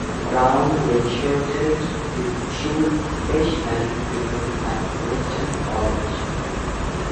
Brown redshirted his true freshman season at Boston College.